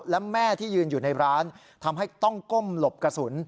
และแม่ที่ยืนอยู่ในร้านทำให้ต้องก้มหลบกระสุน